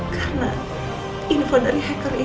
karena info dari hacker itu nih